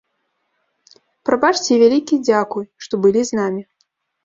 Прабачце і вялікі дзякуй, што былі з намі!